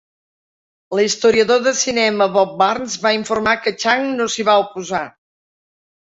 L'historiador de cinema Bob Burns va informar que Chang no s'hi va oposar.